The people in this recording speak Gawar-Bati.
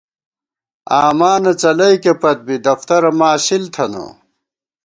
آمانہ څلَئیکے پت بی ، دفترہ ماسِل تھنہ